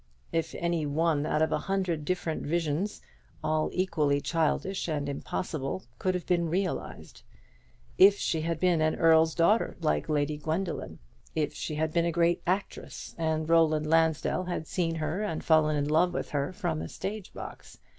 If any one out of a hundred different visions, all equally childish and impossible, could have been realized. If she had been an earl's daughter, like Lady Gwendoline! If she had been a great actress, and Roland Lansdell had seen her and fallen in love with her from a stage box!